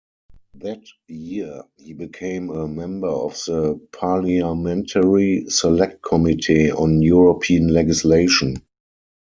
That year, he became a member of the Parliamentary Select Committee on European Legislation.